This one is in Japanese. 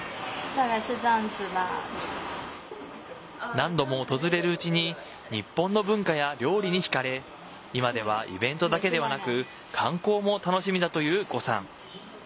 何度も訪れるうちに日本の文化や料理にひかれ今ではイベントだけではなく観光も楽しみだという伍さん。